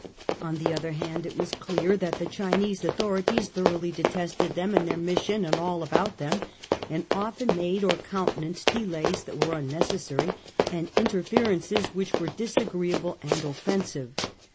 On the other hand, it is clear that the Chinese authorities thoroughly detested them and their mission, and all about them, and often made or countenanced delays that were unnecessary, and interferences which were disagreeable and offensive.